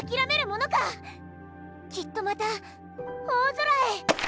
きっとまた大空へ。